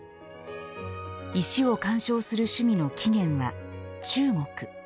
石を観賞する趣味の起源は中国。